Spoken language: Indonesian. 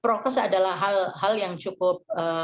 prokes adalah hal hal yang cukup